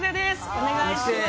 お願いします